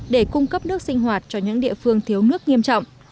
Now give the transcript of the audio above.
để cung cấp nước sinh hoạt cho những địa phương thiếu nước nghiêm trọng